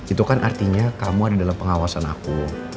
itu kan artinya kamu ada dalam pengawasan aku